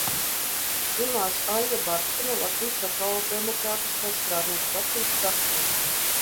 Runās Aija Barča no Latvijas Sociāldemokrātiskās strādnieku partijas frakcijas.